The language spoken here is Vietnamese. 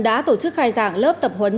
đã tổ chức khai giảng lớp tập huấn